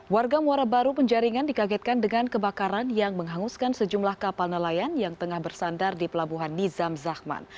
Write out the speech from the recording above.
warga muara baru penjaringan dikagetkan dengan kebakaran yang menghanguskan sejumlah kapal nelayan yang tengah bersandar di pelabuhan nizam zahman